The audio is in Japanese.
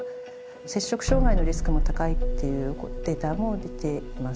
摂食障害のリスクも高いっていうデータも出ています。